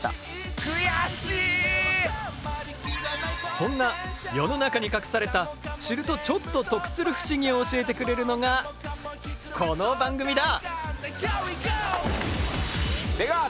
そんな世の中に隠された知るとちょっと得する不思議を教えてくれるのがこの番組だ！